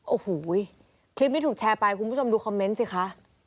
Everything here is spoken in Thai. โอ้โหคลิปนี้ถูกแชร์ไปคุณผู้ชมดูคอมเมนต์สิคะ